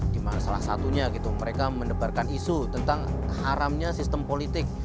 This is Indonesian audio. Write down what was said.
dimana salah satunya gitu mereka mendebarkan isu tentang haramnya sistem politik